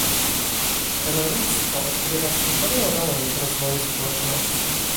Rolnictwo odgrywa kluczową rolę w rozwoju społeczności